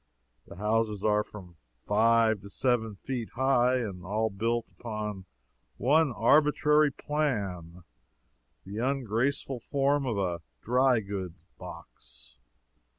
The houses are from five to seven feet high, and all built upon one arbitrary plan the ungraceful form of a dry goods box.